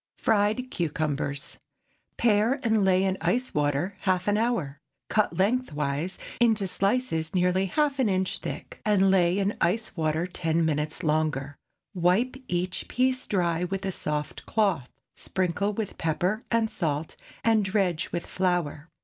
FRIED CUCUMBERS. ✠ Pare and lay in ice water half an hour. Cut lengthwise, into slices nearly half an inch thick, and lay in ice water ten minutes longer. Wipe each piece dry with a soft cloth, sprinkle with pepper and salt, and dredge with flour.